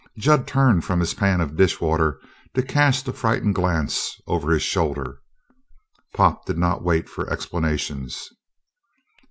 Jud turned from his pan of dishwater to cast a frightened glance over his shoulder. Pop did not wait for explanations.